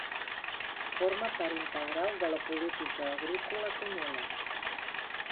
Forma part integral de la Política Agrícola Comuna.